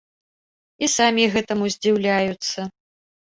І самі гэтаму здзіўляюцца.